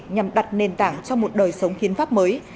nhằm đặt nền tảng cho một đời sống hiến pháp mới